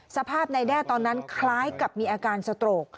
สภาพนายแด้ตอนนั้นคล้ายกับมีอาการสโตรก